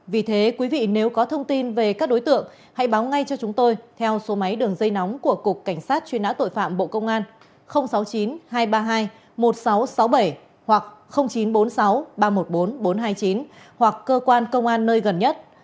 vì thế quý vị nếu có thông tin về các đối tượng hãy báo ngay cho chúng tôi theo số máy đường dây nóng của cục cảnh sát truy nã tội phạm bộ công an sáu mươi chín hai trăm ba mươi hai một nghìn sáu trăm sáu mươi bảy hoặc chín trăm bốn mươi sáu ba trăm một mươi bốn bốn trăm hai mươi chín hoặc cơ quan công an nơi gần nhất